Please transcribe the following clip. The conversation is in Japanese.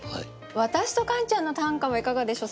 私とカンちゃんの短歌はいかがでしょう？